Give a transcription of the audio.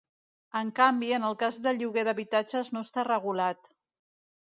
En canvi, en el cas de lloguer d'habitatges no està regulat.